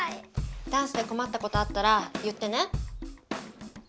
ダンスでこまったことあったら言ってね。